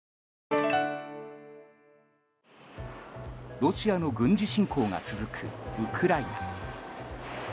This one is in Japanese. ロシアの軍事侵攻が続くウクライナ。